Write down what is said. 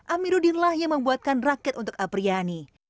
amiruddin lah yang membuatkan raket untuk apriyani